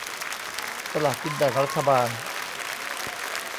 สลากกินแบ่งรัฐบาล